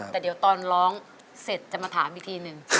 แต่เดี๋ยวตอนร้องเสร็จจะมาถามอีกทีหนึ่ง